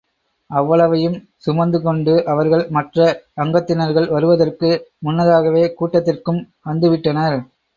அவ்வளவையும் சுமந்து கொண்டு அவர்கள் மற்ற அங்கத்தினர்கள் வருவதற்கு முன்னதாகவே கூட்டத்திற்கும் வந்துவிட்டனர்!